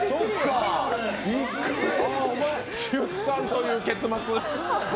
出産という結末。